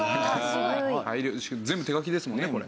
全部手書きですね。